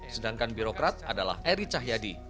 sedangkan birokrat adalah eri cahyadi